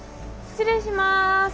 失礼します。